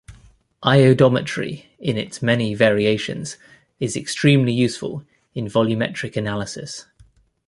Iodometry in its many variations is extremely useful in volumetric analysis.